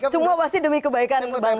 semua pasti demi kebaikan